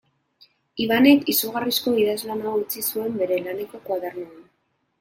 Ibanek izugarrizko idazlana utzi zuen bere laneko koadernoan.